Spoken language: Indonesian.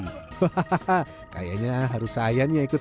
hahaha kayaknya harus sayangnya ikut